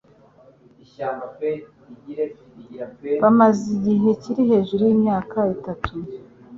Bamaze igihe kiri hejuru y'imyaka itatu